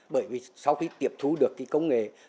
bởi vì sau khi tiếp thu được cái công nghệ